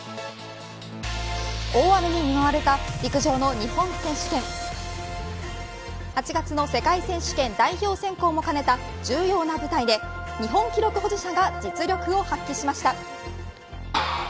大雨に見舞われた陸上の日本選手権。８月の世界選手権代表選考も兼ねた重要な舞台で日本記録保持者が実力を発揮しました。